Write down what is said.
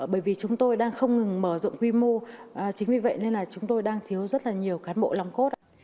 bởi vì chúng tôi đang không ngừng mở rộng quy mô chính vì vậy nên là chúng tôi đang thiếu rất là nhiều cán bộ lòng cốt